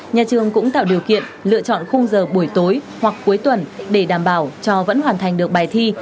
nhà trường cũng tạo điều kiện lựa chọn khung giờ buổi tối hoặc cuối tuần để đảm bảo cho vẫn hoàn thành được bài thi